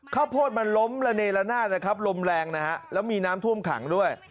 ข้าวโพดมันล้มระเนละนาดนะครับลมแรงนะฮะแล้วมีน้ำท่วมขังด้วย